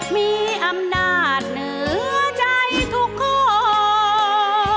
มีอำนาจเหนือใจทุกข้อ